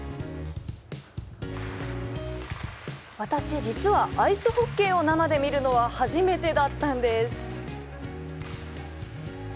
私実はアイスホッケーを生で見るのは初めてだったんです